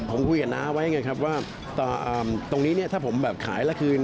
ผมคุยกับน้าไว้ครับว่าตรงนี้ถ้าผมขายแล้วคืน